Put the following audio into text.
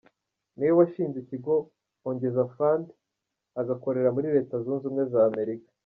Niwe washinze ikigo Ongeza Fund, agakorera muri Leta zunze ubumwe za Amerika.